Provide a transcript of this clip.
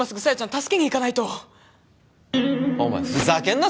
助けに行かないとお前ふざけんな